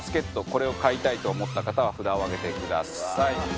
これを買いたいと思った方は札を上げてください。